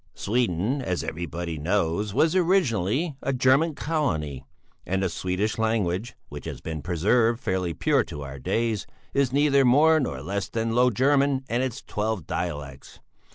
"Sweden, as everybody knows, was originally a German colony, and the Swedish language, which has been preserved fairly pure to our days, is neither more nor less than Low German and its twelve dialects.